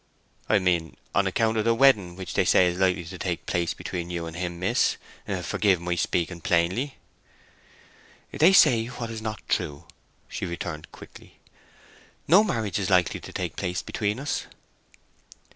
"I meant on account of the wedding which they say is likely to take place between you and him, miss. Forgive my speaking plainly." "They say what is not true." she returned quickly. "No marriage is likely to take place between us."